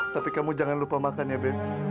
tapi kamu jangan lupa makan ya babe